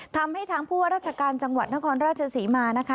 ทำให้ทางผู้ว่าราชการจังหวัดนครราชศรีมานะคะ